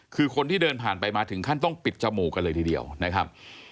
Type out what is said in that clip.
คือคนที่เดินผ่านไปมาถึงขั้นต้องปิดจมูกกันเลยทีเดียวนะครับ